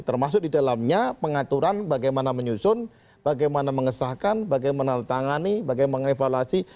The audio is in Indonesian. termasuk di dalamnya pengaturan bagaimana menyusun bagaimana mengesahkan bagaimana menandatangani bagaimana mengevaluasi